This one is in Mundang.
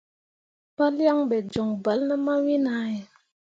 Palyaŋ ɓe joŋ bal ne mawin ahe.